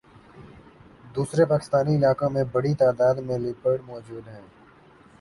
دوسرے پاکستانی علاقوں میں بڑی تعداد میں لیپرڈ موجود ہیں